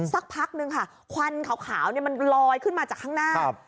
สักพักนึงค่ะควันขาวมันลอยขึ้นมาจากข้างหน้า